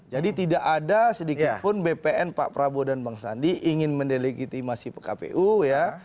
jadi tidak ada sedikit pun bpn pak prabowo dan bang sandi ingin mendelegitimasi kpu ya